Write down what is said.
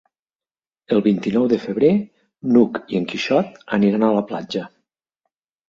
El vint-i-nou de febrer n'Hug i en Quixot aniran a la platja.